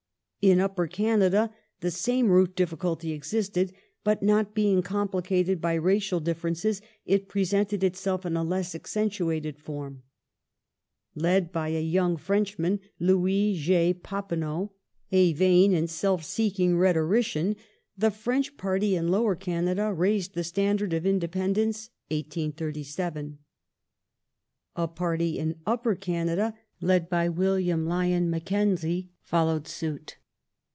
^ In Upper Canada the same root difficulty existed, but, not being complicated by racial differences, it presented itself in a less accentuated form. Led by a young Frenchman, Louis J. Papineau, a vain and self seeking rhetorician, the French party in Lower Canada raised the standard of independence (1837). A party in Upper Canada, led by William Lyon Mackenzie, followed suit.